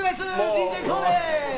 ＤＪＫＯＯです！